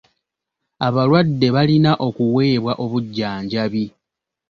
Abalwadde balina okuweebwa obujjanjabi.